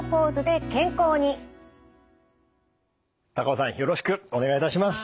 高尾さんよろしくお願いいたします。